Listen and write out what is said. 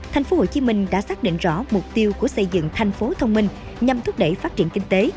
tp hcm đã xác định rõ mục tiêu của xây dựng tp hcm nhằm thúc đẩy phát triển kinh tế